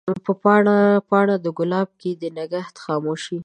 په پاڼه ، پاڼه دګلاب کښي د نګهت خاموشی